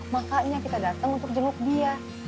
makanya kita datang untuk jenguk dia